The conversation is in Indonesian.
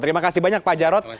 terima kasih banyak pak jarod